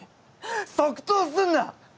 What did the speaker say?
即答すんな！